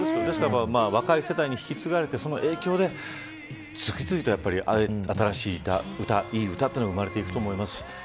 若い世代に引き継がれてその影響で新しい歌が生まれていくと思います。